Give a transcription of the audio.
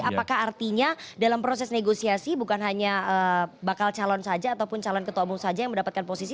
apakah artinya dalam proses negosiasi bukan hanya bakal calon saja ataupun calon ketua umum saja yang mendapatkan posisi